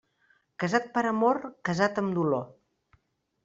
Casat per amor, casat amb dolor.